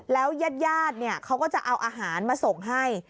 แล้วยาดเขาก็จะเอาอาหารมาส่งให้